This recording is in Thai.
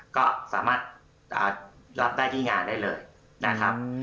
ก็สามารถรับได้ที่งานได้เลยนะครับ